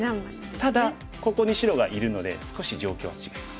ただここに白がいるので少し状況は違います。